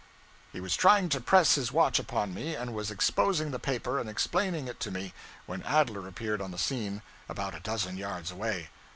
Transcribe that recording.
He was trying to press his watch upon me, and was exposing the paper and explaining it to me, when Adler appeared on the scene, about a dozen yards away.